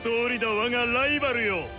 我がライバルよ！